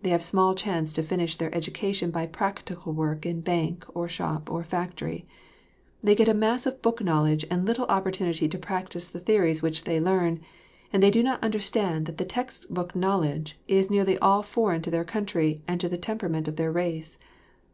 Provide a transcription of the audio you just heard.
They have small chance to finish their education by practical work in bank or shop or factory. They get a mass of book knowledge and little opportunity to practise the theories which they learn, and they do not understand that the text book knowledge is nearly all foreign to their country and to the temperament of their race.